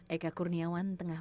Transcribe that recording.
eka kurniawan tengah menyebutkan